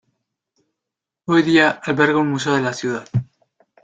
Hoy día alberga un museo de la ciudad.